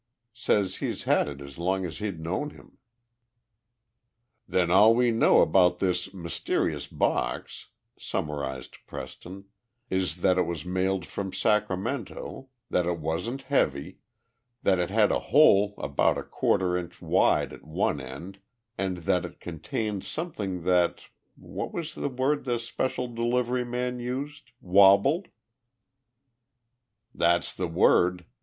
Says he'd had it as long as he'd known him." "Then all we know about this mysterious box," summarized Preston, "is that it was mailed from Sacramento, that it wasn't heavy, that it had a hole about a quarter inch wide at one end, and that it contained something that what was the word the special delivery man used 'wabbled'?" "That's the word.